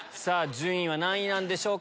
順位は何位なんでしょうか？